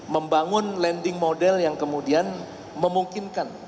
membangun lending model yang kemudian memungkinkan